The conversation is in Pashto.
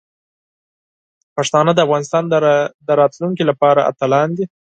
پښتانه د افغانستان د راتلونکي لپاره اتلان دي.